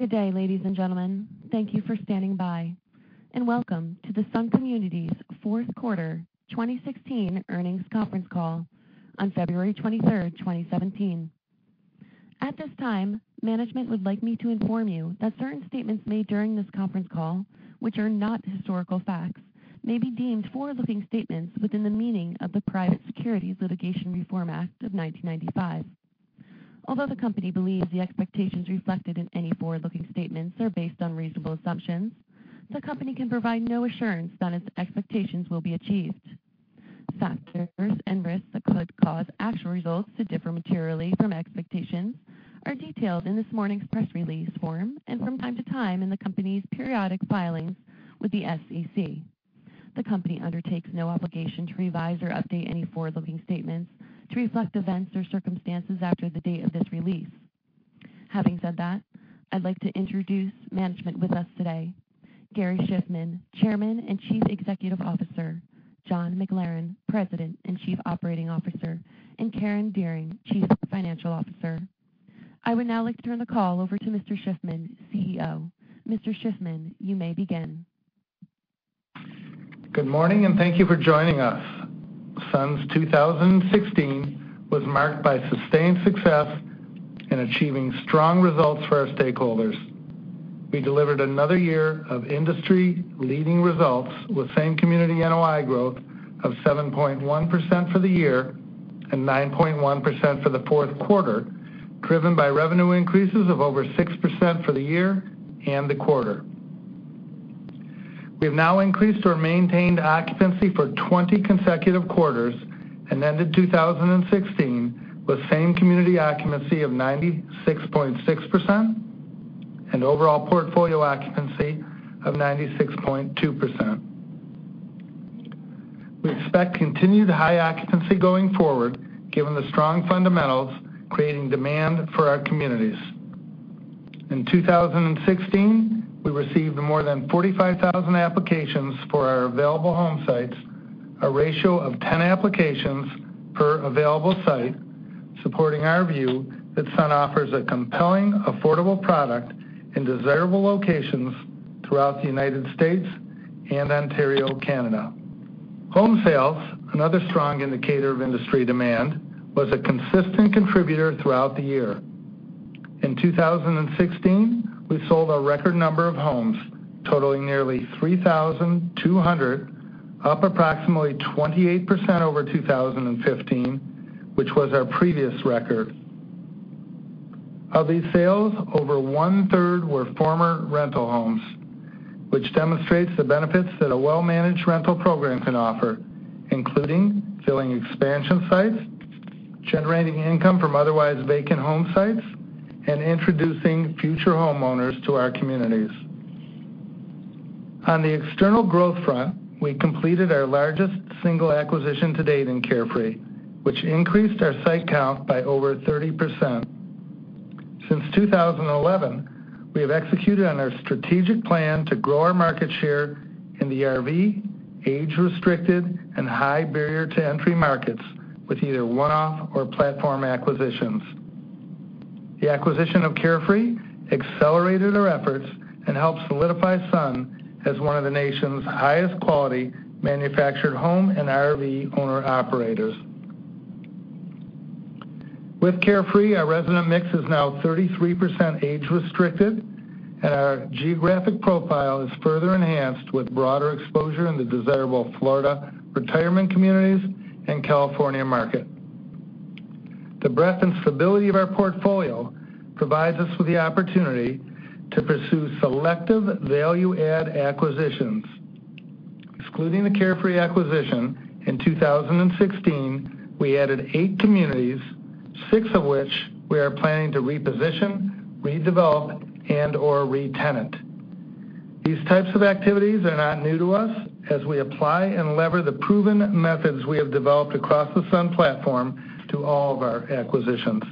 Good day, ladies and gentlemen. Thank you for standing by, and welcome to the Sun Communities Fourth Quarter 2016 earnings conference call on February 23rd, 2017. At this time, management would like me to inform you that certain statements made during this conference call, which are not historical facts, may be deemed forward-looking statements within the meaning of the Private Securities Litigation Reform Act of 1995. Although the company believes the expectations reflected in any forward-looking statements are based on reasonable assumptions, the company can provide no assurance that its expectations will be achieved. Factors and risks that could cause actual results to differ materially from expectations are detailed in this morning's press release form and from time to time in the company's periodic filings with the SEC. The company undertakes no obligation to revise or update any forward-looking statements to reflect events or circumstances after the date of this release. Having said that, I'd like to introduce management with us today: Gary Shiffman, Chairman and Chief Executive Officer, John McLaren, President and Chief Operating Officer, and Karen Dearing, Chief Financial Officer. I would now like to turn the call over to Mr. Shiffman, CEO. Mr. Shiffman, you may begin. Good morning, and thank you for joining us. Sun's 2016 was marked by sustained success in achieving strong results for our stakeholders. We delivered another year of industry-leading results with same-community NOI growth of 7.1% for the year and 9.1% for the fourth quarter, driven by revenue increases of over 6% for the year and the quarter. We have now increased or maintained occupancy for 20 consecutive quarters and ended 2016 with same-community occupancy of 96.6% and overall portfolio occupancy of 96.2%. We expect continued high occupancy going forward, given the strong fundamentals creating demand for our communities. In 2016, we received more than 45,000 applications for our available home sites, a ratio of 10 applications per available site, supporting our view that Sun offers a compelling, affordable product in desirable locations throughout the United States and Ontario, Canada. Home sales, another strong indicator of industry demand, was a consistent contributor throughout the year. In 2016, we sold a record number of homes, totaling nearly 3,200, up approximately 28% over 2015, which was our previous record. Of these sales, over 1/3 were former rental homes, which demonstrates the benefits that a well-managed rental program can offer, including filling expansion sites, generating income from otherwise vacant home sites, and introducing future homeowners to our communities. On the external growth front, we completed our largest single acquisition to date in Carefree, which increased our site count by over 30%. Since 2011, we have executed on our strategic plan to grow our market share in the RV, age-restricted, and high barrier-to-entry markets with either one-off or platform acquisitions. The acquisition of Carefree accelerated our efforts and helped solidify Sun as one of the nation's highest-quality manufactured home and RV owner-operators. With Carefree, our resident mix is now 33% age-restricted, and our geographic profile is further enhanced with broader exposure in the desirable Florida retirement communities and California market. The breadth and stability of our portfolio provides us with the opportunity to pursue selective value-add acquisitions. Excluding the Carefree acquisition in 2016, we added eight communities, six of which we are planning to reposition, redevelop, and/or re-tenant. These types of activities are not new to us, as we apply and leverage the proven methods we have developed across the Sun platform to all of our acquisitions.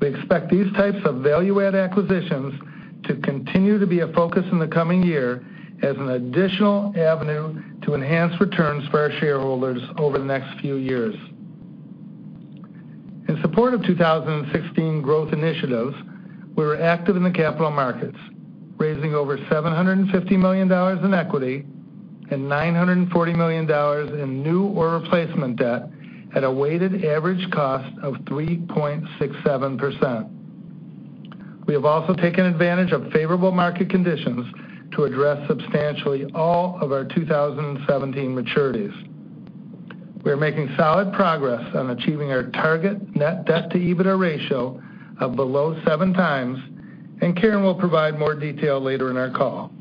We expect these types of value-add acquisitions to continue to be a focus in the coming year as an additional avenue to enhance returns for our shareholders over the next few years. In support of 2016 growth initiatives, we were active in the capital markets, raising over $750 million in equity and $940 million in new or replacement debt at a weighted average cost of 3.67%. We have also taken advantage of favorable market conditions to address substantially all of our 2017 maturities. We are making solid progress on achieving our target Net Debt-to-EBITDA ratio of below 7x, and Karen will provide more detail later in our call.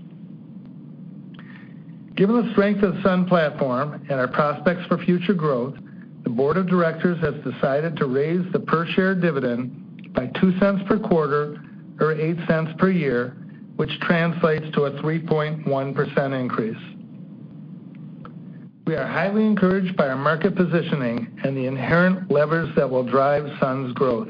Given the strength of the Sun platform and our prospects for future growth, the board of directors has decided to raise the per-share dividend by $0.02 per quarter or $0.08 per year, which translates to a 3.1% increase. We are highly encouraged by our market positioning and the inherent levers that will drive Sun's growth.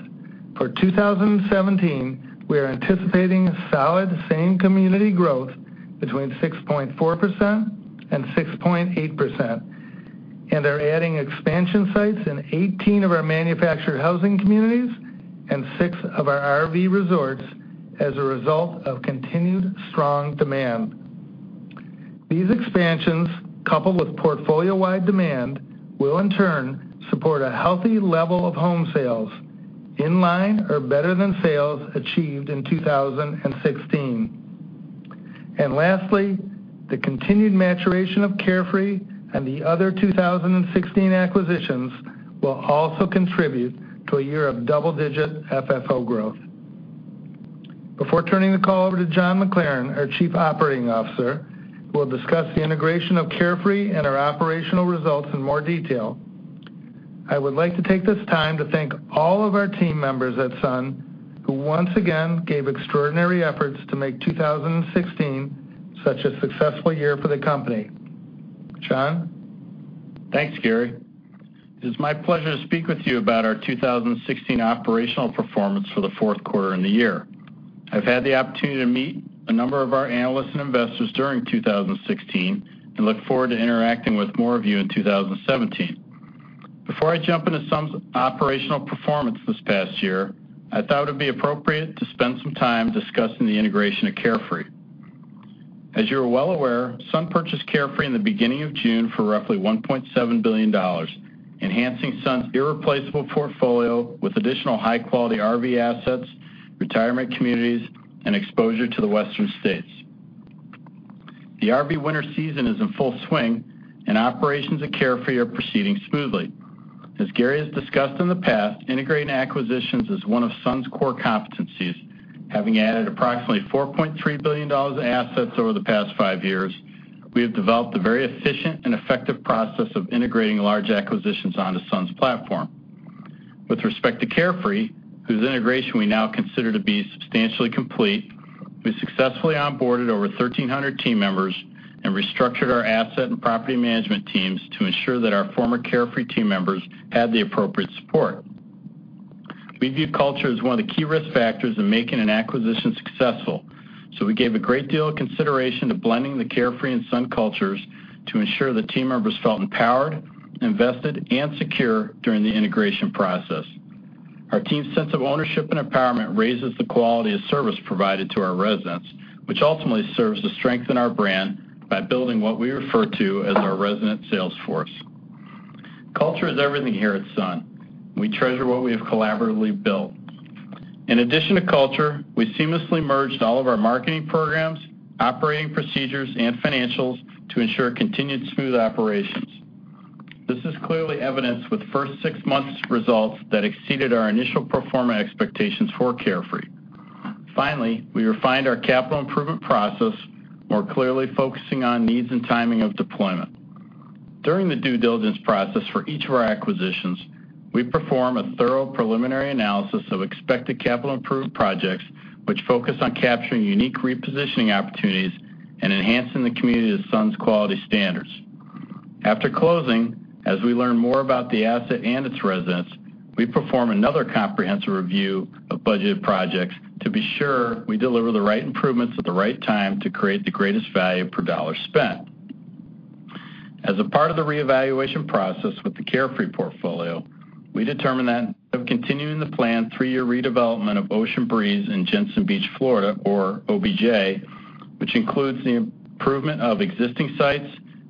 For 2017, we are anticipating solid same-community growth between 6.4% and 6.8%, and are adding expansion sites in 18 of our manufactured housing communities and six of our RV resorts as a result of continued strong demand. These expansions, coupled with portfolio-wide demand, will in turn support a healthy level of home sales, in line or better than sales achieved in 2016. And lastly, the continued maturation of Carefree and the other 2016 acquisitions will also contribute to a year of double-digit FFO growth. Before turning the call over to John McLaren, our Chief Operating Officer, who will discuss the integration of Carefree and our operational results in more detail, I would like to take this time to thank all of our team members at Sun who once again gave extraordinary efforts to make 2016 such a successful year for the company. John? Thanks, Gary. It is my pleasure to speak with you about our 2016 operational performance for the fourth quarter in the year. I've had the opportunity to meet a number of our analysts and investors during 2016 and look forward to interacting with more of you in 2017. Before I jump into Sun's operational performance this past year, I thought it would be appropriate to spend some time discussing the integration of Carefree. As you are well aware, Sun purchased Carefree in the beginning of June for roughly $1.7 billion, enhancing Sun's irreplaceable portfolio with additional high-quality RV assets, retirement communities, and exposure to the western states. The RV winter season is in full swing, and operations at Carefree are proceeding smoothly. As Gary has discussed in the past, integrating acquisitions is one of Sun's core competencies. Having added approximately $4.3 billion of assets over the past five years, we have developed a very efficient and effective process of integrating large acquisitions onto Sun's platform. With respect to Carefree, whose integration we now consider to be substantially complete, we successfully onboarded over 1,300 team members and restructured our asset and property management teams to ensure that our former Carefree team members had the appropriate support. We view culture as one of the key risk factors in making an acquisition successful, so we gave a great deal of consideration to blending the Carefree and Sun cultures to ensure the team members felt empowered, invested, and secure during the integration process. Our team's sense of ownership and empowerment raises the quality of service provided to our residents, which ultimately serves to strengthen our brand by building what we refer to as our resident sales force. Culture is everything here at Sun. We treasure what we have collaboratively built. In addition to culture, we seamlessly merged all of our marketing programs, operating procedures, and financials to ensure continued smooth operations. This is clearly evidenced with first six months' results that exceeded our initial performance expectations for Carefree. Finally, we refined our capital improvement process, more clearly focusing on needs and timing of deployment. During the due diligence process for each of our acquisitions, we perform a thorough preliminary analysis of expected capital improvement projects, which focus on capturing unique repositioning opportunities and enhancing the community to Sun's quality standards. After closing, as we learn more about the asset and its residents, we perform another comprehensive review of budgeted projects to be sure we deliver the right improvements at the right time to create the greatest value per dollar spent. As a part of the reevaluation process with the Carefree portfolio, we determined that continuing the planned three-year redevelopment of Ocean Breeze in Jensen Beach, Florida, or OBJ, which includes the improvement of existing sites,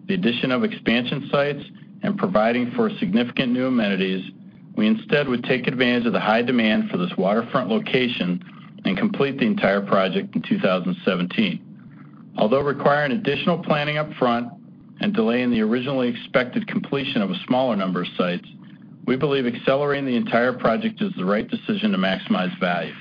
the addition of expansion sites, and providing for significant new amenities. We instead would take advantage of the high demand for this waterfront location and complete the entire project in 2017. Although requiring additional planning upfront and delaying the originally expected completion of a smaller number of sites, we believe accelerating the entire project is the right decision to maximize value.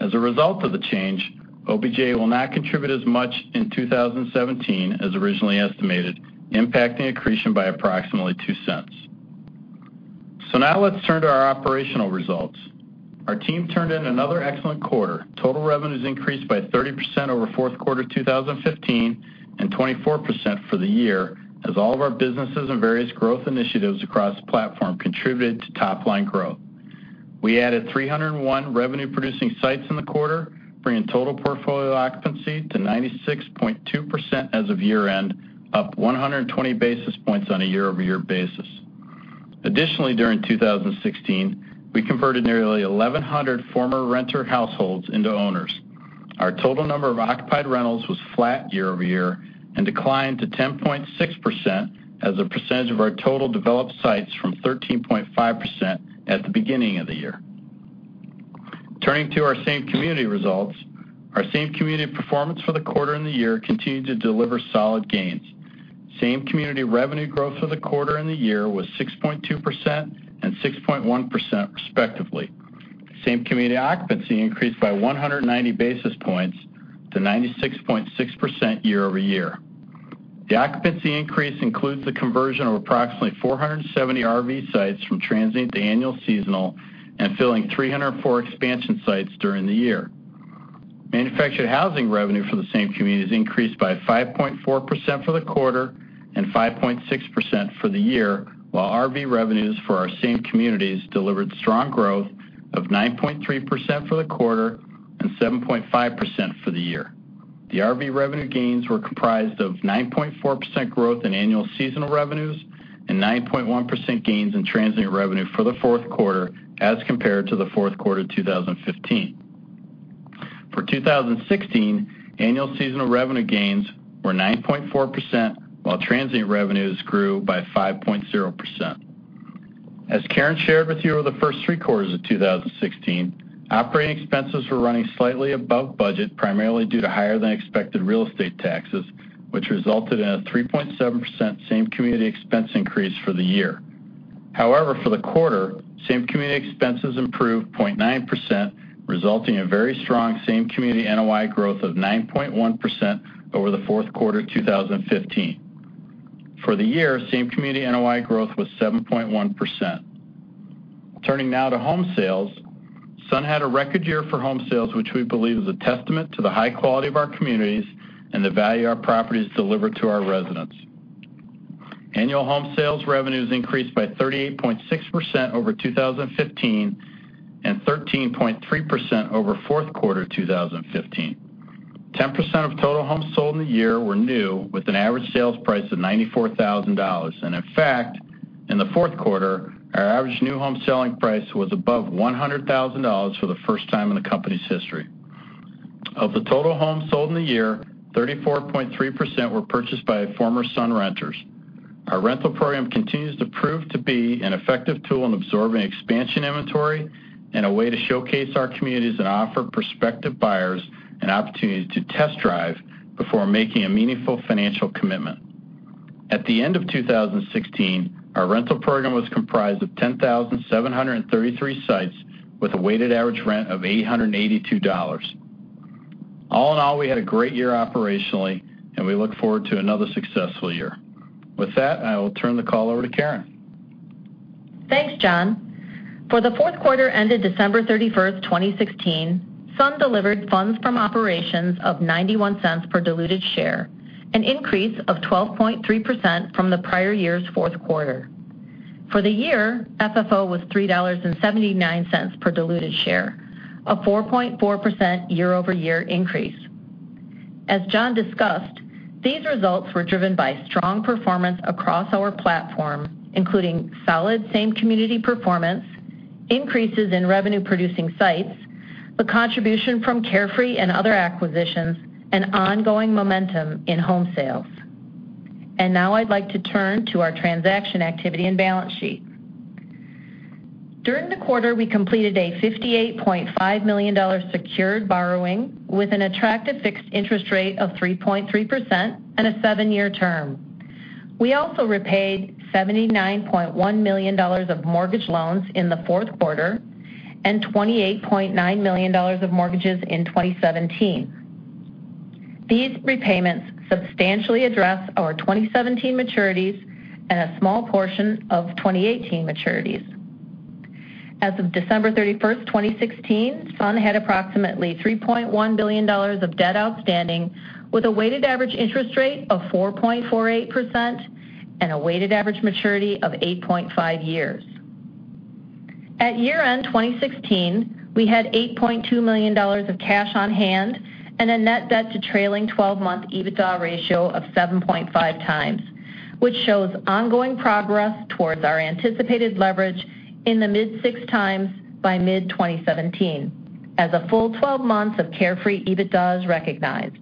As a result of the change, OBJ will not contribute as much in 2017 as originally estimated, impacting accretion by approximately $0.02. So now let's turn to our operational results. Our team turned in another excellent quarter. Total revenues increased by 30% over fourth quarter 2015 and 24% for the year, as all of our businesses and various growth initiatives across the platform contributed to top-line growth. We added 301 revenue-producing sites in the quarter, bringing total portfolio occupancy to 96.2% as of year-end, up 120 basis points on a year-over-year basis. Additionally, during 2016, we converted nearly 1,100 former renter households into owners. Our total number of occupied rentals was flat year-over-year and declined to 10.6% as a percentage of our total developed sites from 13.5% at the beginning of the year. Turning to our same-community results, our same-community performance for the quarter and the year continued to deliver solid gains. Same-community revenue growth for the quarter and the year was 6.2% and 6.1%, respectively. Same-community occupancy increased by 190 basis points to 96.6% year-over-year. The occupancy increase includes the conversion of approximately 470 RV sites from transient to annual seasonal and filling 304 expansion sites during the year. Manufactured housing revenue for the same communities increased by 5.4% for the quarter and 5.6% for the year, while RV revenues for our same communities delivered strong growth of 9.3% for the quarter and 7.5% for the year. The RV revenue gains were comprised of 9.4% growth in annual seasonal revenues and 9.1% gains in transient revenue for the fourth quarter as compared to the fourth quarter 2015. For 2016, annual seasonal revenue gains were 9.4%, while transient revenues grew by 5.0%. As Karen shared with you over the first three quarters of 2016, operating expenses were running slightly above budget, primarily due to higher-than-expected real estate taxes, which resulted in a 3.7% same-community expense increase for the year. However, for the quarter, same-community expenses improved 0.9%, resulting in very strong same-community NOI growth of 9.1% over the fourth quarter 2015. For the year, same-community NOI growth was 7.1%. Turning now to home sales, Sun had a record year for home sales, which we believe is a testament to the high quality of our communities and the value our properties deliver to our residents. Annual home sales revenues increased by 38.6% over 2015 and 13.3% over fourth quarter 2015. 10% of total homes sold in the year were new, with an average sales price of $94,000. In fact, in the fourth quarter, our average new home selling price was above $100,000 for the first time in the company's history. Of the total homes sold in the year, 34.3% were purchased by former Sun renters. Our rental program continues to prove to be an effective tool in absorbing expansion inventory and a way to showcase our communities and offer prospective buyers an opportunity to test drive before making a meaningful financial commitment. At the end of 2016, our rental program was comprised of 10,733 sites with a weighted average rent of $882. All in all, we had a great year operationally, and we look forward to another successful year. With that, I will turn the call over to Karen. Thanks, John. For the fourth quarter ended December 31, 2016, Sun delivered funds from operations of $0.91 per diluted share, an increase of 12.3% from the prior year's fourth quarter. For the year, FFO was $3.79 per diluted share, a 4.4% year-over-year increase. As John discussed, these results were driven by strong performance across our platform, including solid same-community performance, increases in revenue-producing sites, the contribution from Carefree and other acquisitions, and ongoing momentum in home sales. And now I'd like to turn to our transaction activity and balance sheet. During the quarter, we completed a $58.5 million secured borrowing with an attractive fixed interest rate of 3.3% and a seven-year term. We also repaid $79.1 million of mortgage loans in the fourth quarter and $28.9 million of mortgages in 2017. These repayments substantially address our 2017 maturities and a small portion of 2018 maturities. As of December 31, 2016, Sun had approximately $3.1 billion of debt outstanding, with a weighted average interest rate of 4.48% and a weighted average maturity of 8.5 years. At year-end 2016, we had $8.2 million of cash on hand and a net debt-to-trailing 12-month EBITDA ratio of 7.5 times, which shows ongoing progress towards our anticipated leverage in the mid-6 times by mid-2017, as a full 12 months of Carefree EBITDA recognized.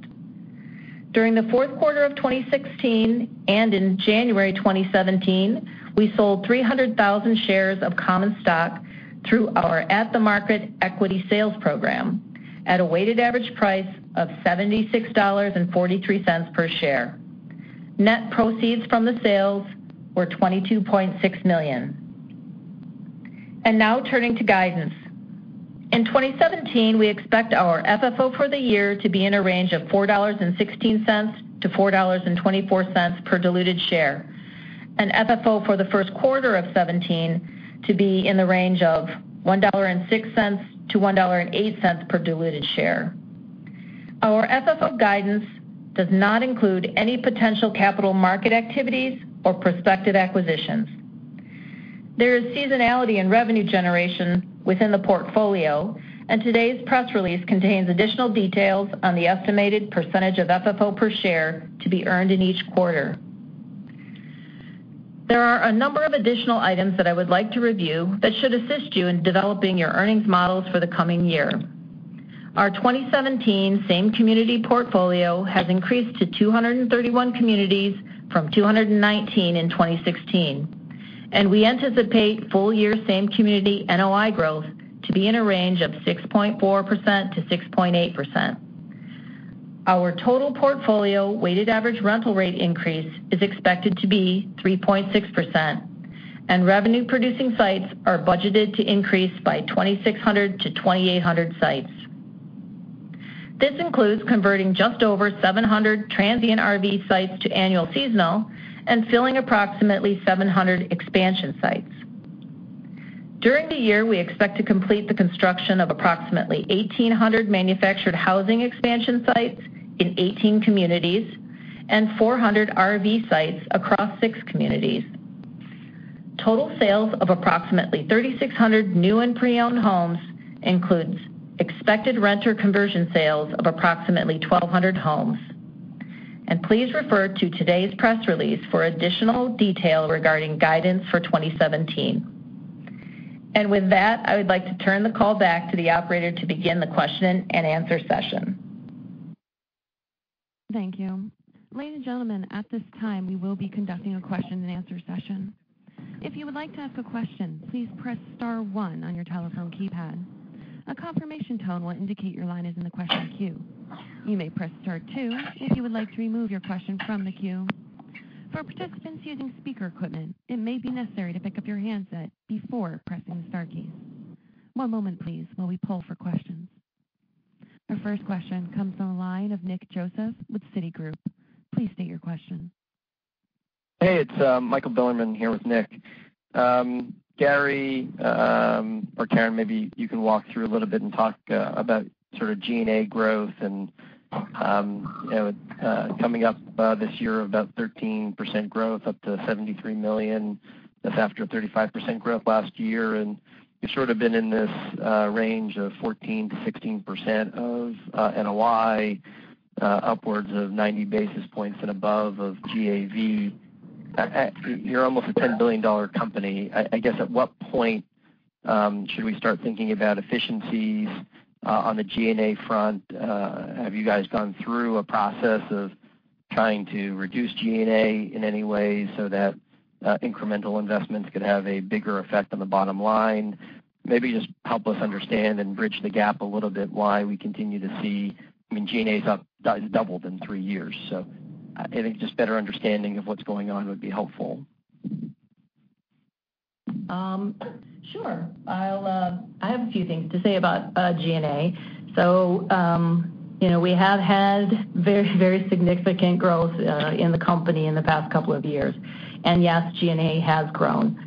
During the fourth quarter of 2016 and in January 2017, we sold 300,000 shares of common stock through our At the Market Equity Sales program at a weighted average price of $76.43 per share. Net proceeds from the sales were $22.6 million. Now turning to guidance. In 2017, we expect our FFO for the year to be in a range of $4.16-$4.24 per diluted share and FFO for the first quarter of 2017 to be in the range of $1.06-$1.08 per diluted share. Our FFO guidance does not include any potential capital market activities or prospective acquisitions. There is seasonality in revenue generation within the portfolio, and today's press release contains additional details on the estimated percentage of FFO per share to be earned in each quarter. There are a number of additional items that I would like to review that should assist you in developing your earnings models for the coming year. Our 2017 same-community portfolio has increased to 231 communities from 219 in 2016, and we anticipate full-year same-community NOI growth to be in a range of 6.4%-6.8%. Our total portfolio weighted average rental rate increase is expected to be 3.6%, and revenue-producing sites are budgeted to increase by 2,600-2,800 sites. This includes converting just over 700 transient RV sites to annual seasonal and filling approximately 700 expansion sites. During the year, we expect to complete the construction of approximately 1,800 manufactured housing expansion sites in 18 communities and 400 RV sites across six communities. Total sales of approximately 3,600 new and pre-owned homes includes expected renter conversion sales of approximately 1,200 homes. Please refer to today's press release for additional detail regarding guidance for 2017. With that, I would like to turn the call back to the operator to begin the question and answer session. Thank you. Ladies and gentlemen, at this time, we will be conducting a question-and-answer session. If you would like to ask a question, please press Star one on your telephone keypad. A confirmation tone will indicate your line is in the question queue. You may press Star two if you would like to remove your question from the queue. For participants using speaker equipment, it may be necessary to pick up your handset before pressing the Star keys. One moment, please, while we pull for questions. Our first question comes from a line of Nick Joseph with Citigroup. Please state your question. Hey, it's Michael Bilerman here with Nick Joseph. Gary, or Karen, maybe you can walk through a little bit and talk about sort of G&A growth and coming up this year of about 13% growth, up to $73 million. That's after a 35% growth last year. And you've sort of been in this range of 14%-16% of NOI, upwards of 90 basis points and above of GAV. You're almost a ten-billion-dollar company. I guess at what point should we start thinking about efficiencies on the G&A front? Have you guys gone through a process of trying to reduce G&A in any way so that incremental investments could have a bigger effect on the bottom line? Maybe just help us understand and bridge the gap a little bit why we continue to see I mean, G&A has doubled in three years. I think just better understanding of what's going on would be helpful. Sure. I have a few things to say about G&A. So we have had very, very significant growth in the company in the past couple of years. And yes, G&A has grown.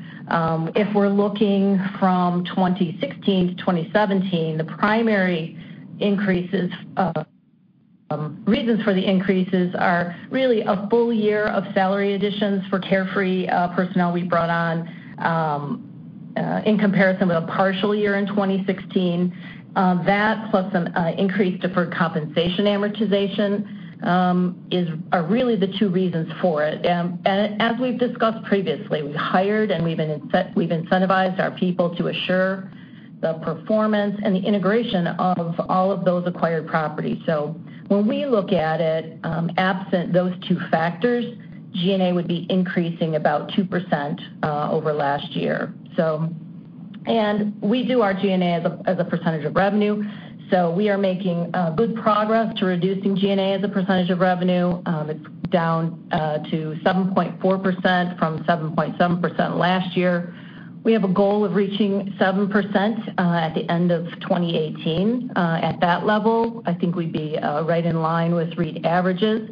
If we're looking from 2016 to 2017, the primary reasons for the increases are really a full-year of salary additions for Carefree personnel we brought on in comparison with a partial year in 2016. That, plus an increased deferred compensation amortization, are really the two reasons for it. And as we've discussed previously, we've hired and we've incentivized our people to assure the performance and the integration of all of those acquired properties. So when we look at it, absent those two factors, G&A would be increasing about 2% over last year. And we do our G&A as a percentage of revenue. So we are making good progress to reducing G&A as a percentage of revenue. It's down to 7.4% from 7.7% last year. We have a goal of reaching 7% at the end of 2018. At that level, I think we'd be right in line with REIT averages.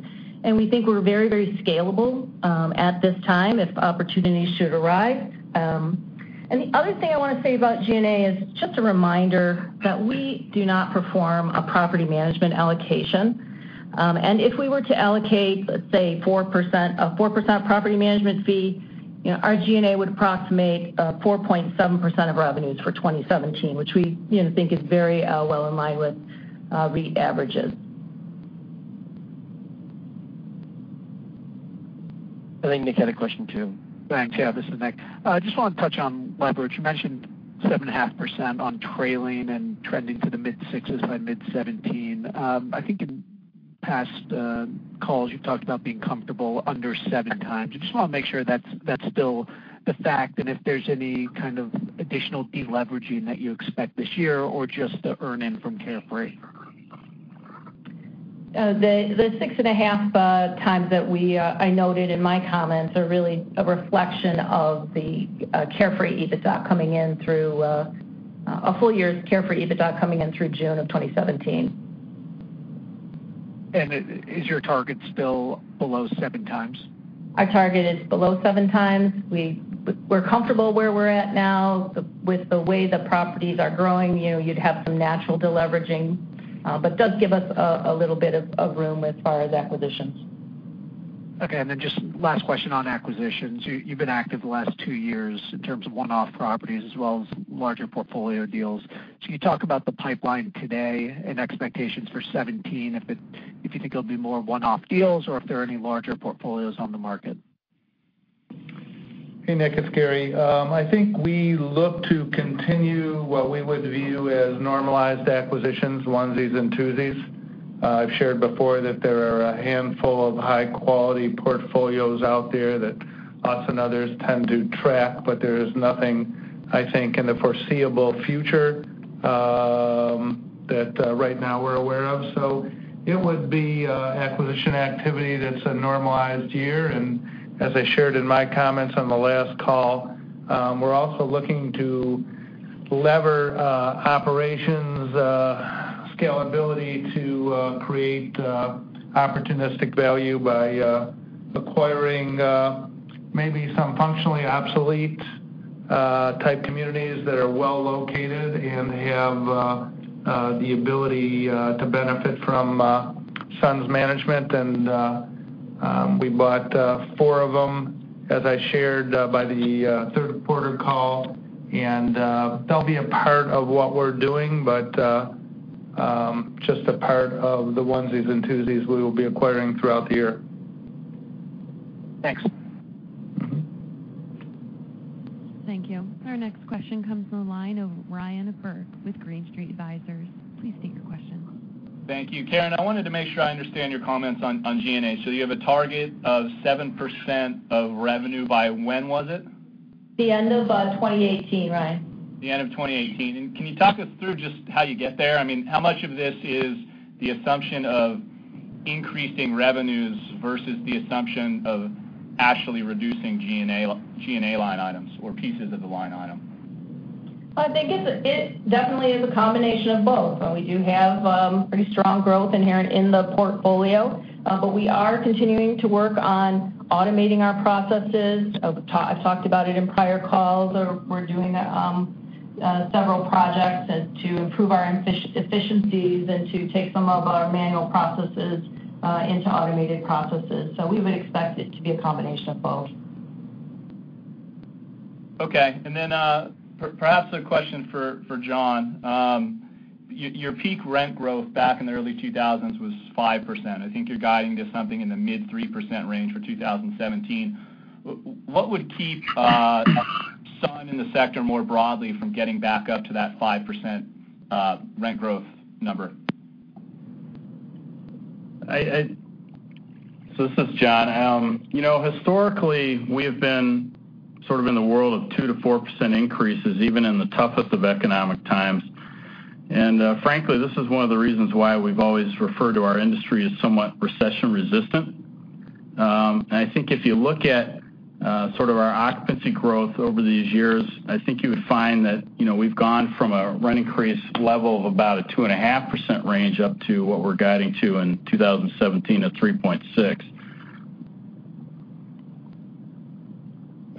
We think we're very, very scalable at this time if opportunities should arise. The other thing I want to say about G&A is just a reminder that we do not perform a property management allocation. If we were to allocate, let's say, a 4% property management fee, our G&A would approximate 4.7% of revenues for 2017, which we think is very well in line with REIT averages. I think Nick had a question too. Thanks. Yeah, this is Nick. I just want to touch on leverage. You mentioned 7.5% on trailing and trending to the mid-sixes by mid-2017. I think in past calls, you've talked about being comfortable under 7times. I just want to make sure that's still the fact, and if there's any kind of additional deleveraging that you expect this year or just the earn-in from Carefree. The 6.5 times that I noted in my comments are really a reflection of the Carefree EBITDA coming in through a full-year's Carefree EBITDA coming in through June of 2017. Is your target still below 7 times? Our target is below 7 times. We're comfortable where we're at now. With the way the properties are growing, you'd have some natural deleveraging, but it does give us a little bit of room as far as acquisitions. Okay. And then just last question on acquisitions. You've been active the last two years in terms of one-off properties as well as larger portfolio deals. Can you talk about the pipeline today and expectations for 2017, if you think there'll be more one-off deals or if there are any larger portfolios on the market? Hey, Nick. It's Gary. I think we look to continue what we would view as normalized acquisitions, onesies and twosies. I've shared before that there are a handful of high-quality portfolios out there that us and others tend to track, but there is nothing, I think, in the foreseeable future that right now we're aware of. So it would be acquisition activity that's a normalized year. And as I shared in my comments on the last call, we're also looking to leverage operations scalability to create opportunistic value by acquiring maybe some functionally obsolete-type communities that are well located and have the ability to benefit from Sun's management. And we bought four of them, as I shared by the third quarter call. And they'll be a part of what we're doing, but just a part of the onesies and twosies we will be acquiring throughout the year. Thanks. Thank you. Our next question comes from the line of Ryan Burke with Green Street Advisors. Please state your question. Thank you. Karen, I wanted to make sure I understand your comments on G&A. So you have a target of 7% of revenue by when was it? The end of 2018, Ryan. The end of 2018. Can you talk us through just how you get there? I mean, how much of this is the assumption of increasing revenues versus the assumption of actually reducing G&A line items or pieces of the line item? I think it definitely is a combination of both. We do have pretty strong growth inherent in the portfolio, but we are continuing to work on automating our processes. I've talked about it in prior calls. We're doing several projects to improve our efficiencies and to take some of our manual processes into automated processes. So we would expect it to be a combination of both. Okay. And then perhaps a question for John. Your peak rent growth back in the early 2000s was 5%. I think you're guiding to something in the mid-3% range for 2017. What would keep Sun in the sector more broadly from getting back up to that 5% rent growth number? So this is John. Historically, we have been sort of in the world of 2%-4% increases, even in the toughest of economic times. And frankly, this is one of the reasons why we've always referred to our industry as somewhat recession-resistant. And I think if you look at sort of our occupancy growth over these years, I think you would find that we've gone from a rent increase level of about a 2.5% range up to what we're guiding to in 2017 of 3.6%.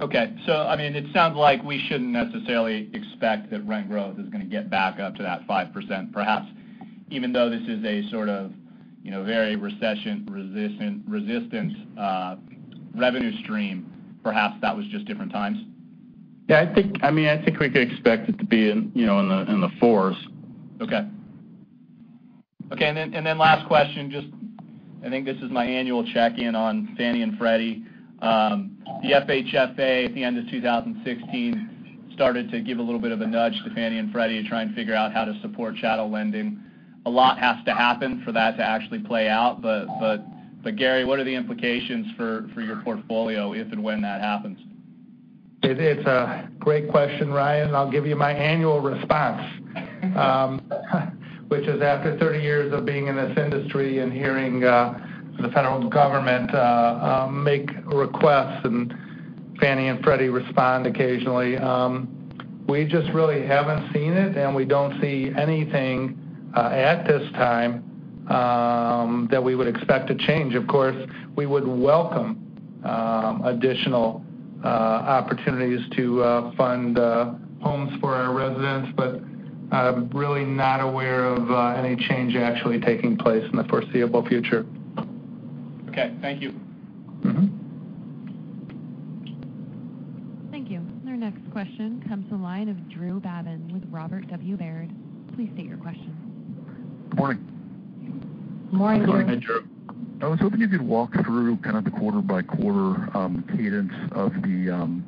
Okay. So I mean, it sounds like we shouldn't necessarily expect that rent growth is going to get back up to that 5%, perhaps even though this is a sort of very recession-resistant revenue stream. Perhaps that was just different times. Yeah. I mean, I think we could expect it to be in the fours. Okay. Okay. And then last question. Just I think this is my annual check-in on Fannie and Freddie. The FHFA at the end of 2016 started to give a little bit of a nudge to Fannie and Freddie to try and figure out how to support chattel lending. A lot has to happen for that to actually play out. But Gary, what are the implications for your portfolio if and when that happens? It's a great question, Ryan. I'll give you my annual response, which is after 30 years of being in this industry and hearing the federal government make requests and Fannie and Freddie respond occasionally, we just really haven't seen it, and we don't see anything at this time that we would expect to change. Of course, we would welcome additional opportunities to fund homes for our residents, but really not aware of any change actually taking place in the foreseeable future. Okay. Thank you. Thank you. Our next question comes from the line of Drew Babin with Robert W. Baird. Please state your question. Morning. Morning, Drew. Morning, Drew. I was hoping you could walk through kind of the quarter-by-quarter cadence of the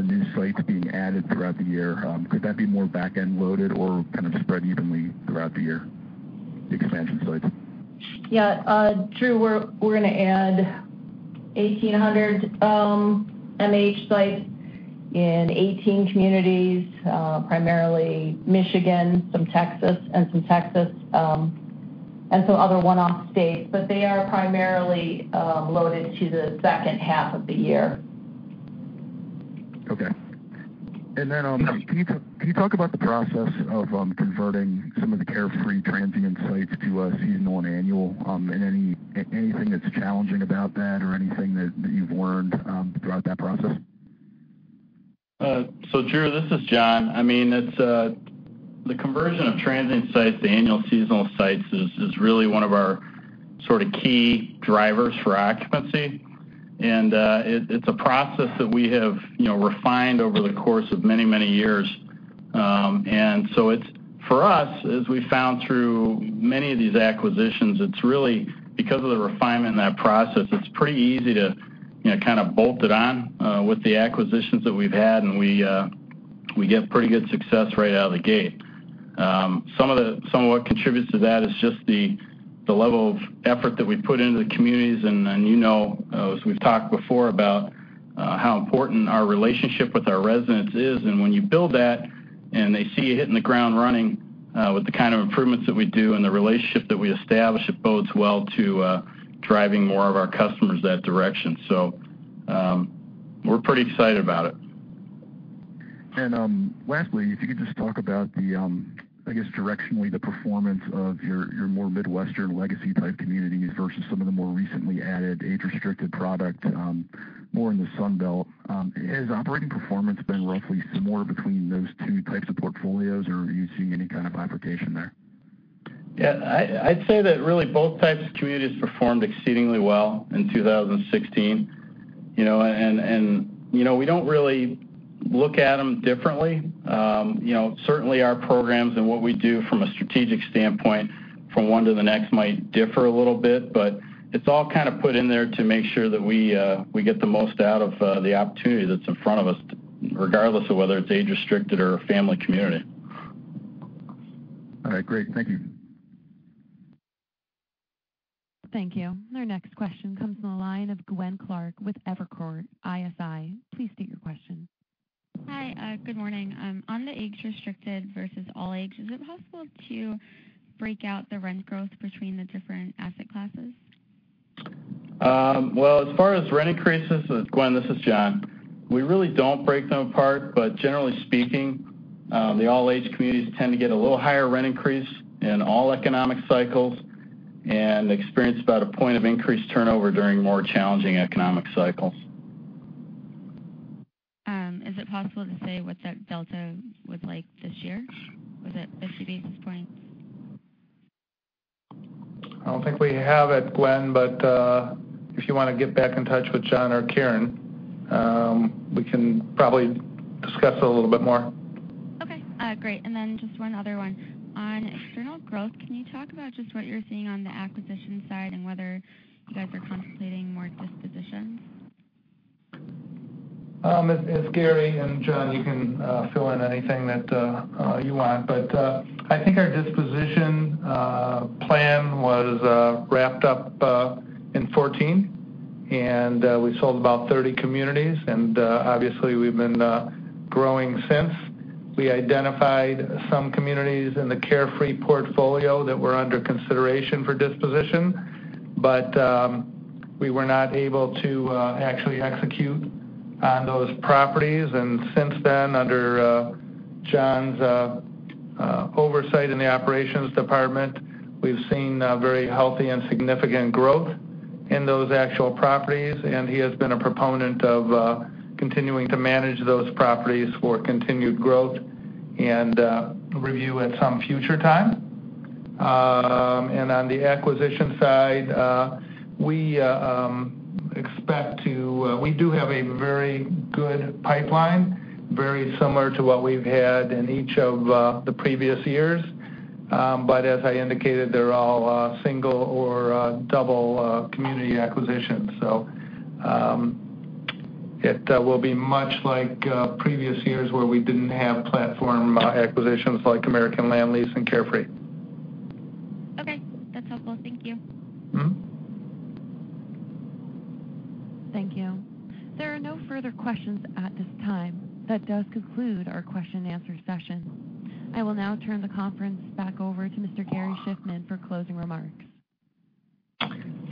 new sites being added throughout the year. Could that be more back-end loaded or kind of spread evenly throughout the year, the expansion sites? Yeah. Drew, we're going to add 1,800 MH sites in 18 communities, primarily Michigan, some Texas, and some Texas and some other one-off states. But they are primarily loaded to the second half of the year. Okay. And then can you talk about the process of converting some of the Carefree transient sites to seasonal and annual? Anything that's challenging about that or anything that you've learned throughout that process? So Drew, this is John. I mean, the conversion of transient sites to annual seasonal sites is really one of our sort of key drivers for occupancy. And it's a process that we have refined over the course of many, many years. And so for us, as we found through many of these acquisitions, it's really because of the refinement in that process, it's pretty easy to kind of bolt it on with the acquisitions that we've had, and we get pretty good success right out of the gate. Some of what contributes to that is just the level of effort that we put into the communities. And as we've talked before about how important our relationship with our residents is. When you build that and they see you hitting the ground running with the kind of improvements that we do and the relationship that we establish, it bodes well to driving more of our customers that direction. We're pretty excited about it. Lastly, if you could just talk about, I guess, directionally, the performance of your more Midwestern legacy-type communities versus some of the more recently added age-restricted product, more in the Sun Belt. Has operating performance been roughly similar between those two types of portfolios, or are you seeing any kind of bifurcation there? Yeah. I'd say that really both types of communities performed exceedingly well in 2016. We don't really look at them differently. Certainly, our programs and what we do from a strategic standpoint from one to the next might differ a little bit, but it's all kind of put in there to make sure that we get the most out of the opportunity that's in front of us, regardless of whether it's age-restricted or a family community. All right. Great. Thank you. Thank you. Our next question comes from the line of Gwen Clark with Evercore ISI. Please state your question. Hi. Good morning. On the age-restricted versus all ages, is it possible to break out the rent growth between the different asset classes? Well, as far as rent increases, Gwen, this is John. We really don't break them apart, but generally speaking, the all-age communities tend to get a little higher rent increase in all economic cycles and experience about a point of increased turnover during more challenging economic cycles. Is it possible to say what that delta was like this year? Was it 50 basis points? I don't think we have it, Gwen, but if you want to get back in touch with John or Karen, we can probably discuss it a little bit more. Okay. Great. And then just one other one. On external growth, can you talk about just what you're seeing on the acquisition side and whether you guys are contemplating more dispositions? It's Gary. And John, you can fill in anything that you want. But I think our disposition plan was wrapped up in 2014, and we sold about 30 communities. And obviously, we've been growing since. We identified some communities in the Carefree portfolio that were under consideration for disposition, but we were not able to actually execute on those properties. And since then, under John's oversight in the operations department, we've seen very healthy and significant growth in those actual properties. And he has been a proponent of continuing to manage those properties for continued growth and review at some future time. And on the acquisition side, we expect to—we do have a very good pipeline, very similar to what we've had in each of the previous years. But as I indicated, they're all single or double community acquisitions. So it will be much like previous years where we didn't have platform acquisitions like American Land Lease and Carefree. Okay. That's helpful. Thank you. Thank you. There are no further questions at this time. That does conclude our question-and-answer session. I will now turn the conference back over to Mr. Gary Shiffman for closing remarks.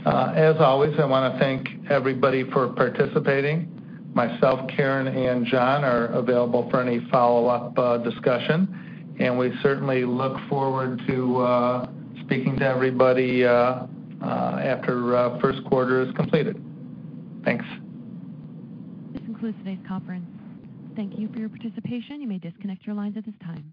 As always, I want to thank everybody for participating. Myself, Karen, and John are available for any follow-up discussion. We certainly look forward to speaking to everybody after first quarter is completed. Thanks. This concludes today's conference. Thank you for your participation. You may disconnect your lines at this time.